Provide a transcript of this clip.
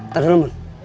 taduh dulu mon